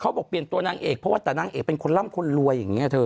บอกเปลี่ยนตัวนางเอกเพราะว่าแต่นางเอกเป็นคนร่ำคนรวยอย่างนี้เธอ